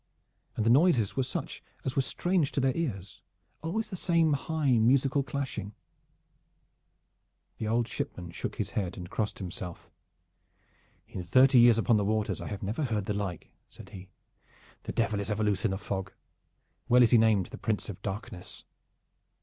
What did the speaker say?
And the noises were such as were strange to their ears, always the same high musical clashing. The old shipman shook his head and crossed himself. "In thirty years upon the waters I have never heard the like," said he. "The Devil is ever loose in a fog. Well is he named the Prince of Darkness."